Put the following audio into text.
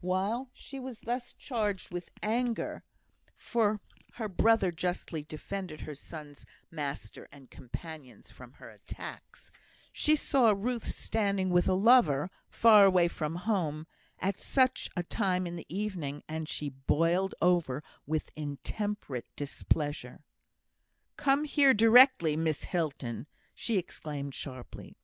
While she was thus charged with anger (for her brother justly defended her son's master and companions from her attacks), she saw Ruth standing with a lover, far away from home, at such a time in the evening, and she boiled over with intemperate displeasure. "Come here directly, Miss Hilton," she exclaimed, sharply.